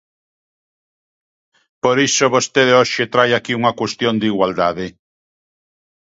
Por iso vostede hoxe trae aquí unha cuestión de igualdade.